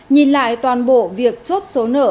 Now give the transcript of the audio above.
nhìn lại toàn bộ việc chốt số nợ